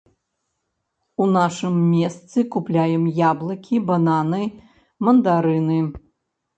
У нашым месцы купляем яблыкі, бананы, мандарыны.